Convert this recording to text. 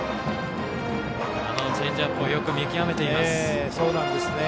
チェンジアップもよく見極めています。